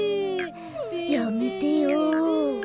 やめてよ。